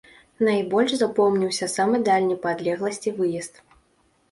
Найбольш запоўніўся самы дальні па адлегласці выезд.